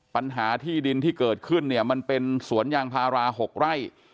ปัญหาที่ดินที่เกิดขึ้นเนี่ยมันเป็นสวนยางพารา๖ไร่